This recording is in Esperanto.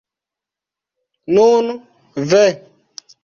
Nun, ve!